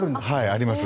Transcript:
あります。